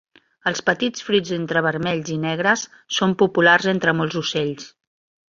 Els petits fruits entre vermells i negres són populars entre molts ocells.